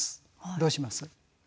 どうします？